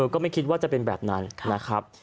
ก็ไม่คิดว่าจะเป็นแบบนั้นนะครับ